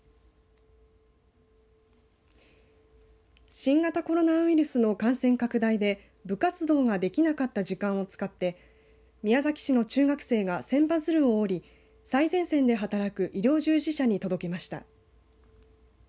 新型コロナウイルスの感染拡大で部活動ができなかった時間を使って宮崎市の中学生が千羽鶴を折り最前線で働く医療従事者に届けました。